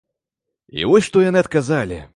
І вось што яны адказалі!